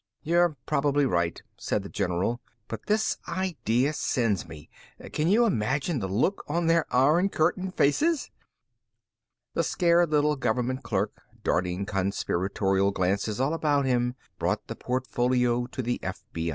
"You're probably right," said the general, "but this idea sends me. Can you imagine the look on their Iron Curtain faces?" The scared little government clerk, darting conspiratorial glances all about him, brought the portfolio to the FBI.